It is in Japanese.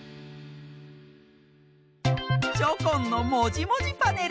チョコンの「もじもじパネル」！